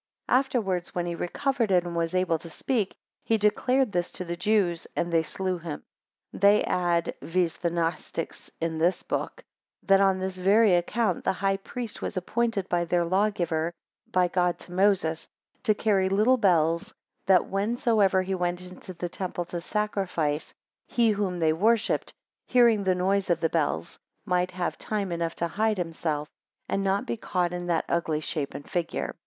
Afterwards when he recovered it, and was able to speak, he declared this to the Jews; and they slew him. They add (viz. the Gnostics in this book), that on this very account the high priest was appointed by their lawgiver (by God to Moses) to carry little bells, that whensoever he went into the temple to sacrifice he, whom they worshipped, hearing the noise of the bells, might have time enough to hide himself, and not be caught in that ugly shape and figure."